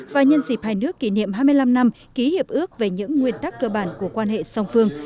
và nhân dịp hai nước kỷ niệm hai mươi năm năm ký hiệp ước về những nguyên tắc cơ bản của quan hệ song phương